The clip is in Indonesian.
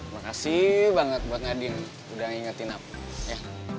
makasih banget buat ngadin udah ngingetin aku ya